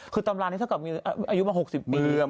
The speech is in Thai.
คือตำรานี้เท่ากับมีอายุมา๖๐ปี